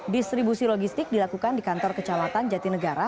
distribusi logistik dilakukan di kantor kecamatan jatinegara